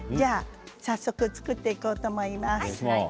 早速、作っていこうと思います。